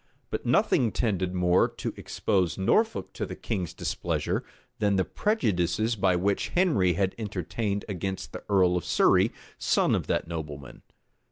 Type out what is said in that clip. But nothing tended more to expose Norfolk to the king's displeasure, than the prejudices which Henry had entertained against the earl of Surrey, son of that nobleman.